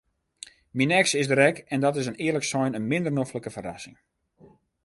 Myn eks is der ek en dat is earlik sein in minder noflike ferrassing.